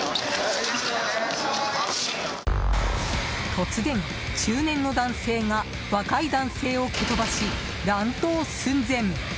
突然、中年の男性が若い男性を蹴り飛ばし、乱闘寸前。